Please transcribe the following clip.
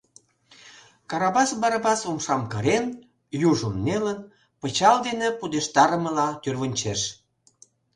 — Карабас Барабас умшам карен, южым нелын, пычал дене пудештарымыла тӱрвынчеш.